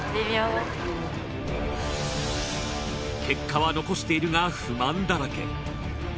結果は残しているが不満だらけ。